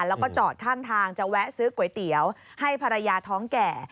แล้วก็จอดข้างทางจะแวะซื้อก๋วยเตี๋ยวให้ภรรยาท้องแก่